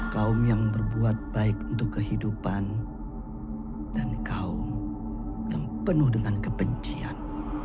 kaum yang berbuat baik untuk kehidupan dan kaum yang penuh dengan kebencian